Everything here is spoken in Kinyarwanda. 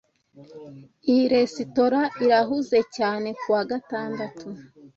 Iyi resitora irahuze cyane kuwa gatandatu.